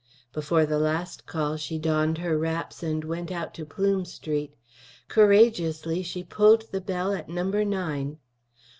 Before the last call, she donned her wraps and went out to Plume Street. Courageously she pulled the bell at Number Nine.